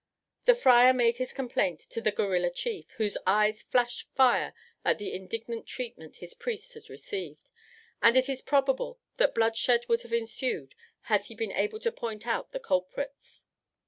The friar made his complaint to the guerilla chief, whose eyes flashed fire at the indignant treatment his priest had received; and it is probable that bloodshed would have ensued had he been able to point out the culprits.